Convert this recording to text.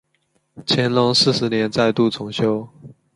乾隆四十年再度重修。